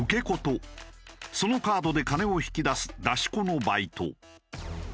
子とそのカードで金を引き出す出し子のバイト。